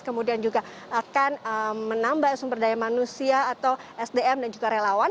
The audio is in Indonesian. kemudian juga akan menambah sumber daya manusia atau sdm dan juga relawan